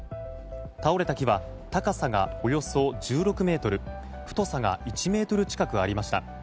倒れた木は、高さがおよそ１６ｍ太さが１ｍ近くありました。